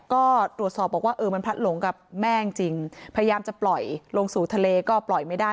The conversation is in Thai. ก็ตรวจสอบบอกว่าเออมันพลัดหลงกับแม่จริงจริงพยายามจะปล่อยลงสู่ทะเลก็ปล่อยไม่ได้